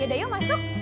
yaudah yuk masuk